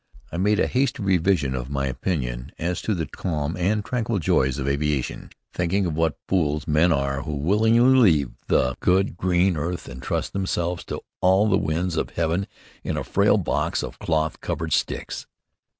I made a hasty revision of my opinion as to the calm and tranquil joys of aviation, thinking what fools men are who willingly leave the good green earth and trust themselves to all the winds of heaven in a frail box of cloth covered sticks.